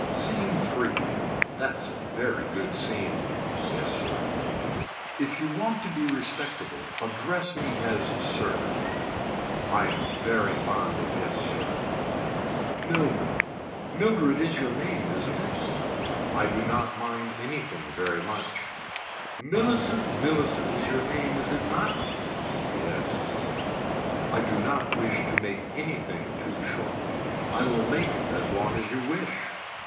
SCENE III. That's a very good scene. Yes sir. If you want to be respectable address me as sir. I am very fond of yes sir. Mildred. Mildred is your name isn't it. I do not mind anything very much. Millicent Millicent is your name is it not. Yes. I do not wish to make anything too short. I will make it as long as you wish.